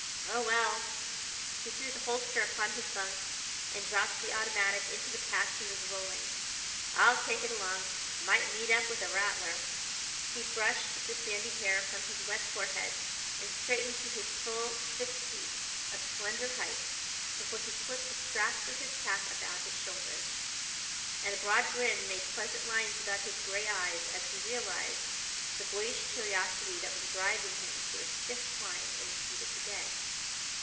Oh, well!" He threw the holster upon his bunk and dropped the automatic into the pack he was rolling. "I'll take it along. Might meet up with a rattler." He brushed the sandy hair from his wet forehead and straightened to his full six feet of slender height before he slipped the straps of his pack about his shoulders. And a broad grin made pleasant lines about his gray eyes as he realized the boyish curiosity that was driving him to a stiff climb in the heat of the day.